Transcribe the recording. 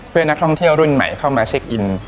เพื่อนักท่องเที่ยวรุ่นใหม่เข้ามาเช็คอิน